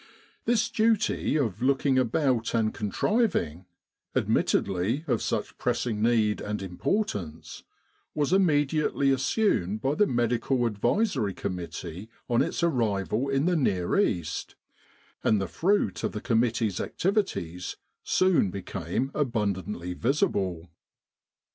This duty of looking about and contriving admittedly of such pressing need and importance was immediately assumed by the Medi cal Advisory Committee on its arrival in the Near East, and the fruit of the committee's activities soon became abundantly visible.